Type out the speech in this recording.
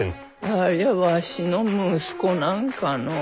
ありゃわしの息子なんかのう？